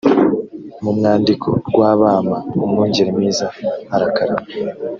mu mwandiko rw abama umwungeri mwiza arakarama